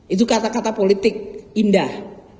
itu kata kata politik indah